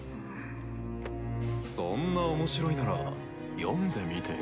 そんなおもしろいなら読んでみてよ。